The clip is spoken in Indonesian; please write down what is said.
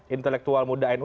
intelektual muda nu